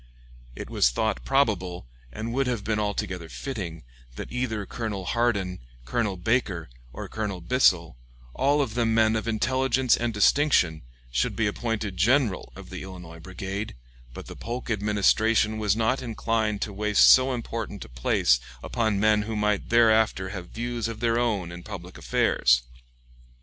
It was thought probable, and would Have been altogether fitting, that either Colonel Hardin, Colonel Baker, or Colonel Bissell, all of them men of intelligence and distinction, should be appointed general of the Illinois Brigade, but the Polk Administration was not inclined to waste so important a place upon men who might thereafter have views of their own in public affairs.